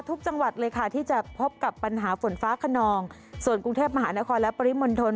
ทุกจังหวัดเลยค่ะที่จะพบกับปัญหาฝนฟ้าขนองส่วนกรุงเทพมหานครและปริมณฑล